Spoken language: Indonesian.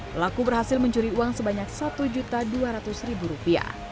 pelaku berhasil mencuri uang sebanyak rp satu dua ratus